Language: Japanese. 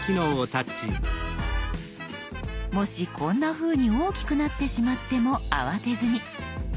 もしこんなふうに大きくなってしまっても慌てずに。